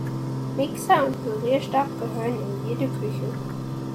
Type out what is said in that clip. Mixer und Pürierstab gehören in jede Küche.